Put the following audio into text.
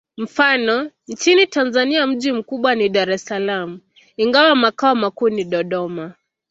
Mfano: nchini Tanzania mji mkubwa ni Dar es Salaam, ingawa makao makuu ni Dodoma.